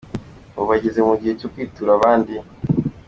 Ubu bageze mu gihe cyo kwitura abandi.